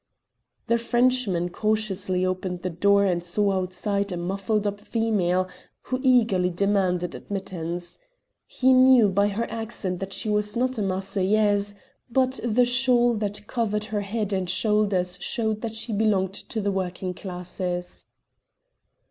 The Frenchman cautiously opened the door and saw outside a muffled up female who eagerly demanded admittance. He knew by her accent that she was not a Marseillaise, but the shawl that covered her head and shoulders showed that she belonged to the working classes.